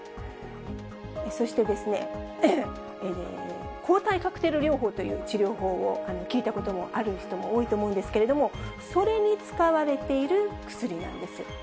そして、抗体カクテル療法という治療法を聞いたこともある人も多いと思うんですけれども、それに使われている薬なんです。